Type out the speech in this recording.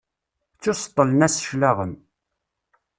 Ttuseṭṭlen-as cclaɣem.